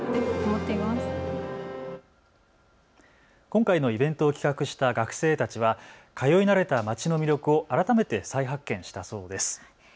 今回のイベントを企画した学生たちは通い慣れたまちの魅力を改めて再発見したそうです。